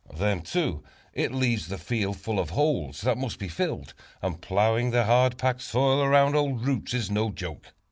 Then too, it leaves the field full of holes, that must be filled; and plowing the hard packed soil around old roots is no joke.